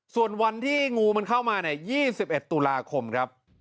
ส่วนวันที่งูมันเข้ามา๒๑ตุลาคมครับ